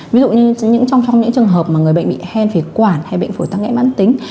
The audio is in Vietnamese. ví dụ như trong những trường hợp mà người bệnh bị hen phế quản hay bệnh phổi tắc nghẽn mãn tính